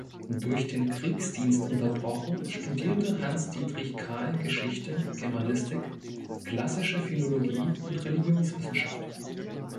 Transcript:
Durch den Kriegsdienst unterbrochen, studierte Hans-Dietrich Kahl Geschichte, Germanistik, klassische Philologie und Religionswissenschaft.